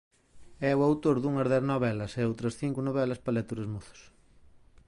É o autor dunhas dez novelas e outras cinco novelas para lectores mozos.